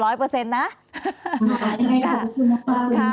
ขอบคุณครับคุณพ่อ